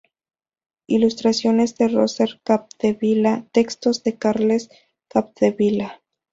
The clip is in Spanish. Ilustraciones de Roser Capdevila, textos de Carles Capdevila.